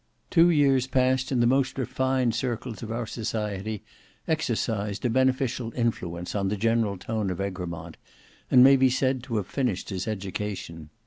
Two years passed in the most refined circles of our society exercised a beneficial influence on the general tone of Egremont, and may be said to have finished his education.